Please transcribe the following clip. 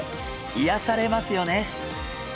いやされますよね。